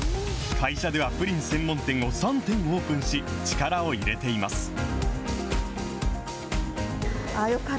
会社ではプリン専門店を３店オープンし、力を入れています。